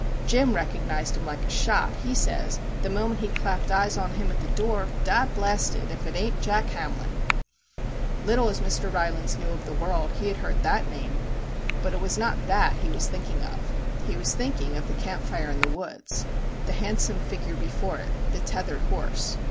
Jim recognised him like a shot ; he sez, the moment he clapped eyes on him at the door, ' Dod blasted if it ain't Jack Hamlin !' Little as Mr. Rylands knew of the world, he had heard that name. But it was not that he was thinking of. He was thinking of the camp fire in the woods, the handsome figure before it the tethered horse.